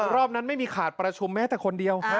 รอบนั้นไม่มีขาดประชุมแม้แต่คนเดียว